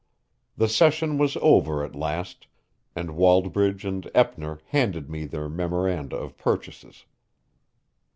The session was over at last, and Wallbridge and Eppner handed me their memoranda of purchases.